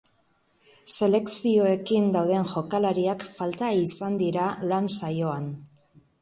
Selekzioekin dauden jokalariak falta izan dira lan-saioan.